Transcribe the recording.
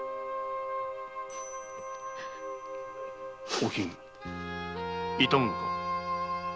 おきん痛むのか？